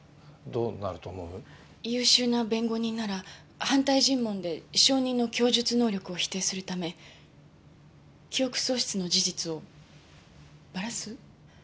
優秀な弁護人なら反対尋問で証人の供述能力を否定するため記憶喪失の事実をバラす？